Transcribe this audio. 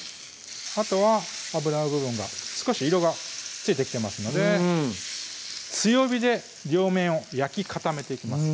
あとは脂の部分が少し色がついてきてますので強火で両面を焼き固めていきます